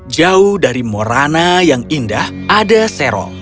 jauh dari morana yang indah ada serok